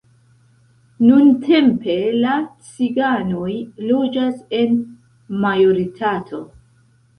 Nuntempe la ciganoj loĝas en majoritato.